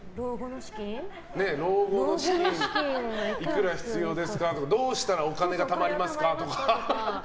いくら必要ですかとかどうしたらお金がたまりますかとか。